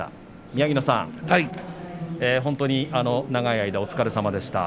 宮城野さん、本当に長い間お疲れさまでした。